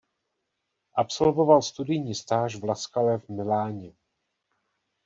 Absolvoval studijní stáž v La scale v Miláně.